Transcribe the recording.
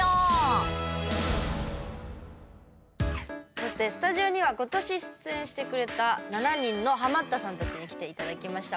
さて、スタジオには今年、出演してくれた７人のハマったさんたちに来ていただきました。